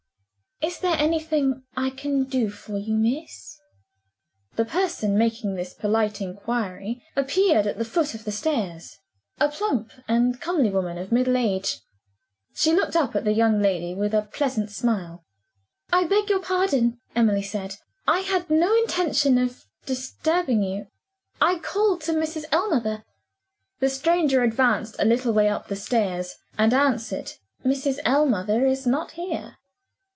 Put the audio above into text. "Is there anything I can do for you, miss?" The person making this polite inquiry appeared at the foot of the stairs a plump and comely woman of middle age. She looked up at the young lady with a pleasant smile. "I beg your pardon," Emily said; "I had no intention of disturbing you. I called to Mrs. Ellmother." The stranger advanced a little way up the stairs, and answered, "Mrs. Ellmother is not here."